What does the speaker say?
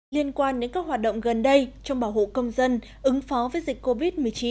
liên quan đến các hoạt động gần đây trong bảo hộ công dân ứng phó với dịch covid một mươi chín